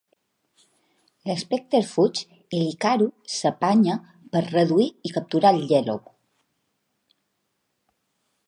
L'Specter fuig i l'Hikaru s'apanya per reduir i capturar el Yellow.